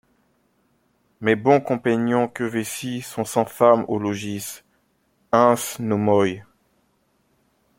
Mes bons compaignons que vécy sont sans femmes aux logiz, ains non moy.